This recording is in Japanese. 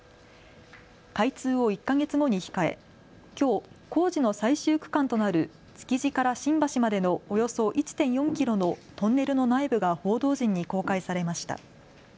開通を１か月後に控えきょう工事の最終区間となる築地から新橋までのおよそ１．４キロのトンネルの内部が報道陣に公開されました。